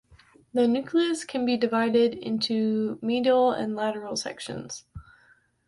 The nucleus can be divided into medial and lateral sections.